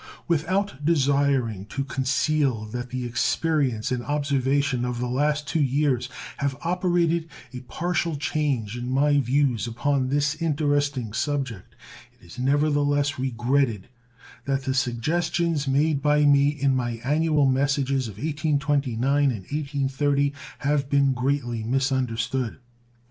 Without desiring to conceal that the experience and observation of the last two years have operated a partial change in my views upon this interesting subject, it is never the less regretted that the suggestions made by me in my annual messages of 1829 and 1830 have been greatly misunderstood.